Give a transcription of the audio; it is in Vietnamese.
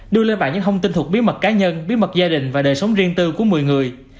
đưa lên bản những thông tin thuộc bí mật cá nhân bí mật gia đình và đời sống riêng tư của một mươi người